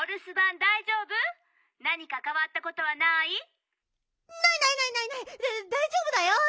だいじょうぶだよ！